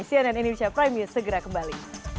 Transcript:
cnn indonesia prime news segera kembali